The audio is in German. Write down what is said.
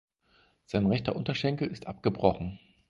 Sein rechter Unterschenkel ist abgebrochen.